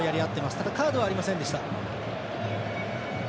ただ、カードはありませんでした。